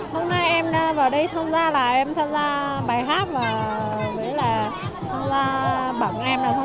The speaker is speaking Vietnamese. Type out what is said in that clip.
hôm nay em vào đây tham gia là em tham gia bài hát và với là tham gia bảng em là tham